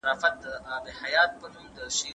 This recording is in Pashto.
تشبثات د هیواد په وده کي مرسته کوي.